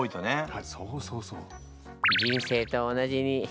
はいそうそうそう。